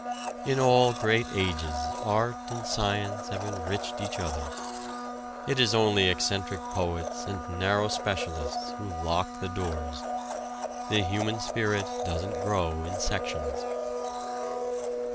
In all great ages art and science have enriched each other. It is only eccentric poets and narrow specialists who lock the doors. The human spirit doesn't grow in sections.